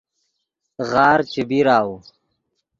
غار چے بیراؤ